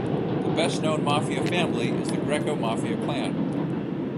The best known Mafia family is the Greco Mafia clan.